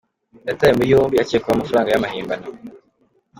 Yatawe muri yombi akekwaho amafaranga y’amahimbano